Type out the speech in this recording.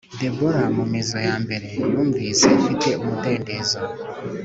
Deborah mu mizo ya mbere numvise mfite umudendezo